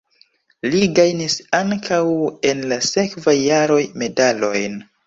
Li gajnis ankaŭ en la sekvaj jaroj medalojn.